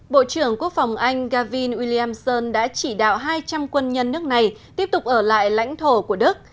bộ trưởng quốc phòng anh gavin williamson đã chỉ đạo hai trăm linh quân nhân nước này tiếp tục ở lại lãnh thổ của đức